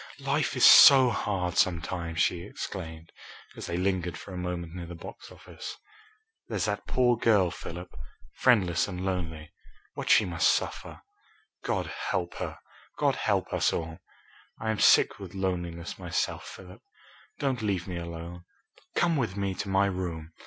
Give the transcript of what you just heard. "Life is so hard sometimes!" she exclaimed, as they lingered for a moment near the box office. "There's that poor girl, Philip, friendless and lonely. What she must suffer! God help her God help us all! I am sick with loneliness myself, Philip. Don't leave me alone. Come with me to my room.